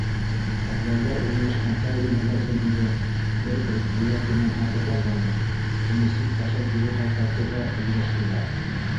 Подвалда урынлашҡан тәүге магазинымды бер предприятиенан һатып алғайным, уны суд аша кире ҡайтартыуға өлгәштеләр.